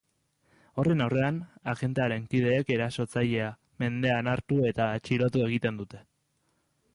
Horren aurrean, agentearen kideek erasotzailea mendean hartu eta atxilotu egin dute.